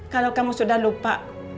kalau kamu sudah lupa